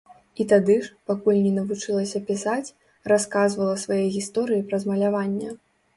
І тады ж, пакуль не навучылася пісаць, расказвала свае гісторыі праз маляванне.